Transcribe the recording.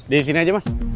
disini aja mas